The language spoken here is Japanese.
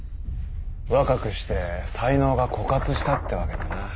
若くして才能が枯渇したってわけだな。